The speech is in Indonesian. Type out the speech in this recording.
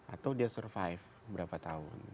atau dia survive berapa tahun